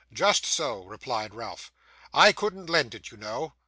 'Just so,' replied Ralph; 'I couldn't lend it, you know.